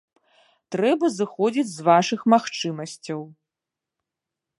Трэба зыходзіць з вашых магчымасцяў.